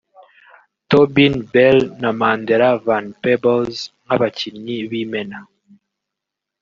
Tobin Bell na Mandela Van Peebles nk’abakinnyi b’imena